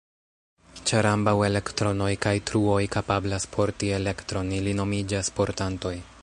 Ĉar ambaŭ elektronoj kaj truoj kapablas porti elektron, ili nomiĝas "portantoj".